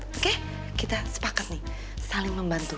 oke kita sepakat nih saling membantu